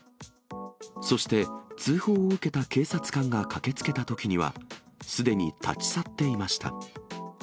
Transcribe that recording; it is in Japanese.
そして、通報を受けた警察官が駆けつけたときには、すでに立ち去っていました。